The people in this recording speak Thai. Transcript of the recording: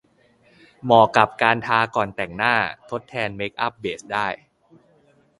เหมาะกับการทาก่อนแต่งหน้าทดแทนเมคอัพเบสได้